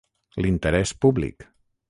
L'interès públic.